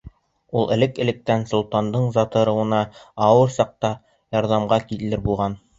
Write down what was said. Ул элек-электән солтандың зат-ырыуына ауыр саҡта ярҙамға килер булған.